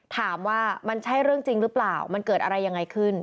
ถามว่ามันใช่เรื่องจริงหรือเปล่ามันเกิดอะไรยังไงขึ้น